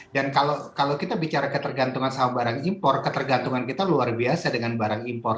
dan kalau kita bicara ketergantungan sama barang impor ketergantungan kita luar biasa dengan barang impor